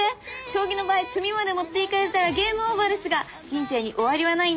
将棋の場合詰みまで持っていかれたらゲームオーバーですが人生に終わりはないんだぞ！